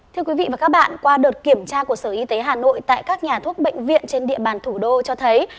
thưa quý vị và các bạn qua đợt kiểm tra của sở y tế hà nội tại các nhà thuốc bệnh viện trên địa bàn thủ đô cho thấy